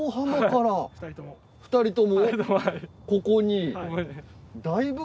２人ともここに？